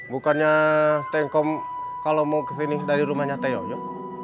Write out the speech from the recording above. bukannya tengkom kalau mau ke sini dari rumahnya teh yoyo